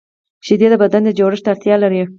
شیدې د بدن جوړښت ته اړتیا لري